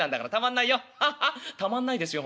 ハハッたまんないですよ